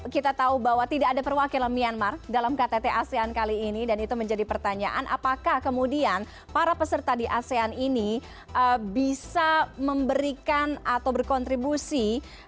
kita tahu bahwa tidak ada perwakilan myanmar dalam ktt asean kali ini dan itu menjadi pertanyaan apakah kemudian para peserta di asean ini bisa memberikan atau berkontribusi